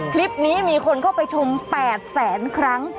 คลิปนี้มีคนเข้าไปชม๘แสนครั้ง